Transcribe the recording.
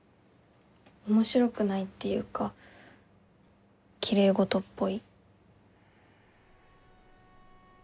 面白くないっていうかきれいごとっぽい。